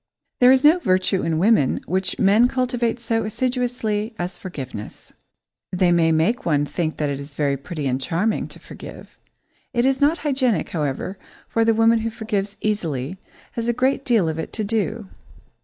There is no virtue in women which men cultivate so assiduously as forgiveness. They make one think that it is very pretty and charming to forgive. It is not hygienic, however, for the woman who forgives easily has a great deal of it to do.